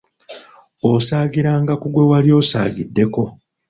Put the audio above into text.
Osaagiranga ku gwe wali osaagiddeko.